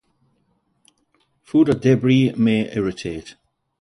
Food or debris may irritate.